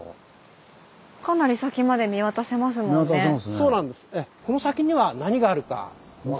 かなり先まで見渡せますもんね。